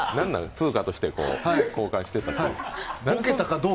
通貨として公開していたという。